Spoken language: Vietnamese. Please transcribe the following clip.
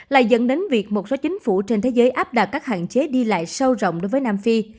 lại dẫn đến việc một số chính phủ trên thế giới áp đặt các hạn chế đi lại sâu rộng đối với nam phi